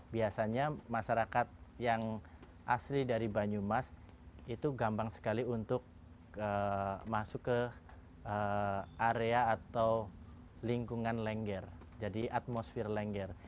biasanya masyarakat yang asli dari banyumas itu gampang sekali untuk masuk ke area atau lingkungan lengger jadi atmosfer lengger